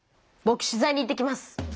ぼく取材に行ってきます。